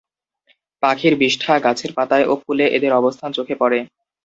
পাখির বিষ্ঠা, গাছের পাতায় ও ফুলে এদের অবস্থান চোখে পরে।